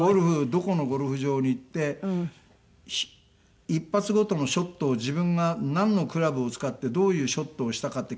どこのゴルフ場に行って１発ごとのショットを自分がなんのクラブを使ってどういうショットをしたかって記録に残す人なんです。